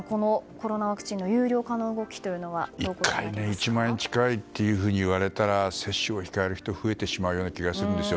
コロナワクチンの有料化の動きは１回１万円近いと言われたら接種を控える人増えてしまうような気がするんですよ。